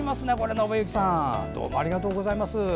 のぶゆきさんどうもありがとうございます。